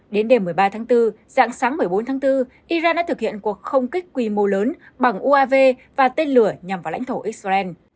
đến đêm một mươi ba tháng bốn dạng sáng một mươi bốn tháng bốn iran đã thực hiện cuộc không kích quy mô lớn bằng uav và tên lửa nhằm vào lãnh thổ israel